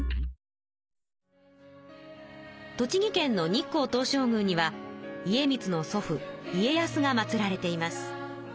栃木県の日光東照宮には家光の祖父家康が祭られています。